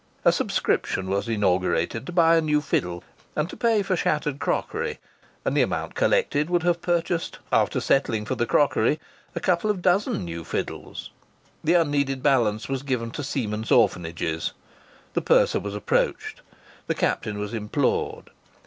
A subscription was inaugurated to buy a new fiddle, and to pay for shattered crockery. And the amount collected would have purchased, after settling for the crockery, a couple of dozen new fiddles. The unneeded balance was given to Seamen's Orphanages. The purser was approached. The captain was implored.